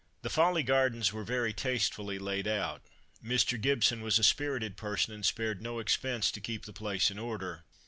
The Folly Gardens were very tastefully laid out. Mr. Gibson was a spirited person, and spared no expense to keep the place in order.